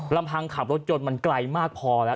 ลำพังขับรถยนต์มันไกลมากพอแล้ว